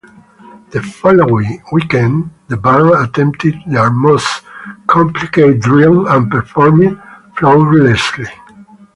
The following weekend the band attempted their most complicated drill and performed flawlessly.